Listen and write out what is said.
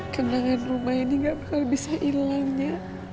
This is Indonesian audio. kenangan rumah ini gak bakal bisa hilang ya